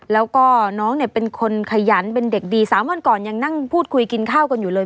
แล้วก็น้องเนี่ยเป็นคนขยันเป็นเด็กดี๓วันก่อนยังนั่งพูดคุยกินข้าวกันอยู่เลย